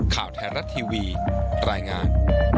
ข่าวไทยรัฐทีวีรายงาน